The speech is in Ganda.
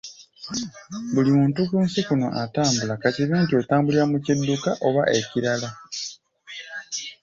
Buli muntu ku nsi kuno atambula, ka kibe nti otambulira mu kidduka, oba ekirala.